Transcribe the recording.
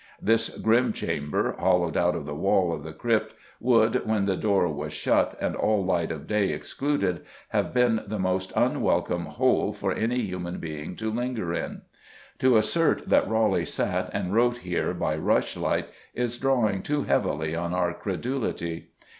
This grim chamber, hollowed out of the wall of the crypt, would, when the door was shut and all light of day excluded, have been the most unwelcome hole for any human being to linger in. To assert that Raleigh sat and wrote here, by rushlight, is drawing too heavily on our credulity.